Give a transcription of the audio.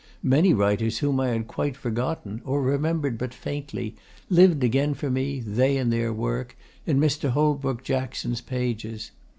Many writers whom I had quite forgotten, or remembered but faintly, lived again for me, they and their work, in Mr. Holbrook Jackson's pages.